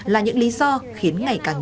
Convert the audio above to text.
là những lý do khiến ngày càng nghiêm trọng